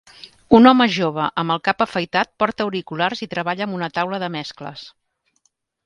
Un home jove amb el cap afaitat porta auriculars i treballa amb una taula de mescles.